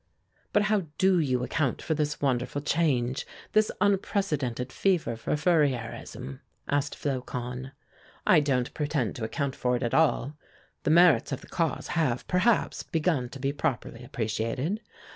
"But how do you account for this wonderful change, this unprecedented fever for Fourierism?" asked Flocon. "I don't pretend to account for it at all. The merits of the cause have, perhaps, begun to be properly appreciated.